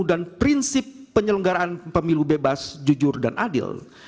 dan prinsip penyelenggaraan pemilu bebas jujur dan adil